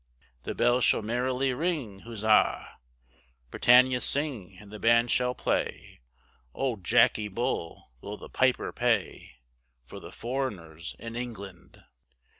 The bells shall merrily ring, huzza, Britannia sing and the band shall play, Old Jacky Bull will the piper pay, For the foreigners in England.